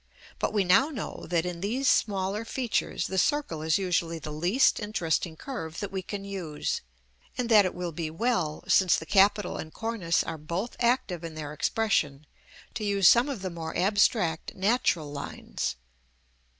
But we now know that in these smaller features the circle is usually the least interesting curve that we can use; and that it will be well, since the capital and cornice are both active in their expression, to use some of the more abstract natural lines.